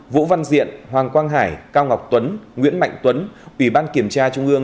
vũ văn diện hoàng quang hải cao ngọc tuấn nguyễn mạnh tuấn ủy ban kiểm tra trung ương